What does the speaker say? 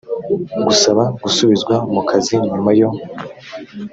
gusaba gusubizwa mu kazi nyuma yo